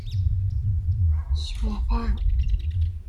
Ccmata!